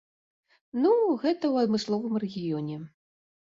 Ну, гэта ў адмысловым рэгіёне.